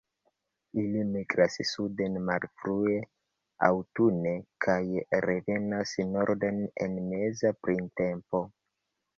Ili migras suden malfrue aŭtune, kaj revenas norden en meza printempo.